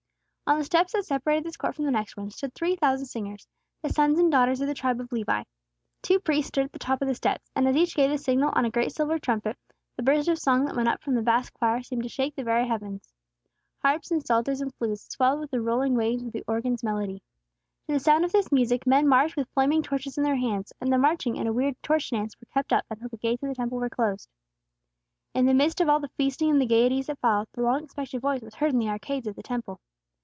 On the steps that separated this court from the next one, stood three thousand singers, the sons and daughters of the tribe of Levi. Two priests stood at the top of the steps, and as each gave the signal on a great silver trumpet, the burst of song that went up from the vast choir seemed to shake the very heavens. Harps and psalters and flutes swelled with the rolling waves of the organ's melody. To the sound of this music, men marched with flaming torches in their hands, and the marching and a weird torch dance were kept up until the gates of the Temple closed. In the midst of all the feasting and the gayeties that followed, the long expected Voice was heard in the arcades of the Temple.